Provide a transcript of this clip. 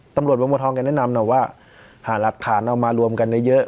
ตำรวจวังวะท้องกันแนะนำนะว่าหารับฐานเอามารวมกันได้เยอะ